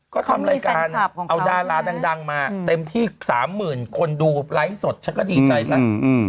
ก็ทำรายการเอาดาราดังมาเต็มที่๓๐๐๐คนดูไลฟ์สดฉันก็ดีใจแล้ว